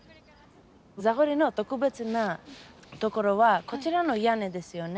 ザゴリの特別なところはこちらの屋根ですよね。